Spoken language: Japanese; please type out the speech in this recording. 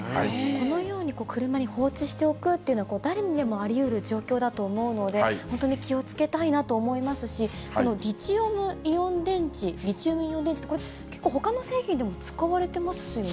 このように車に放置しておくというのは、誰にでもありうる状況だと思うので、本当に気をつけたいなと思いますし、リチウムイオン電池って、これ、結構、ほかの製品でも使われてますよね。